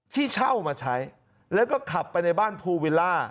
ที่เช่ามาใช้แล้วก็ขับไปในบ้านภูวิลล่า